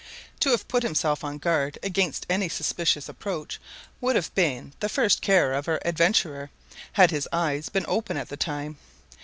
To have put himself on guard against any suspicious approach would have been the first care of our adventurer had his eyes been open at the time.